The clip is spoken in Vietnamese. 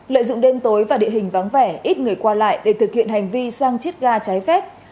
lợi dụng đêm tối và địa hình vắng vẻ ít người qua lại để thực hiện hành vi sang chiết ga trái phép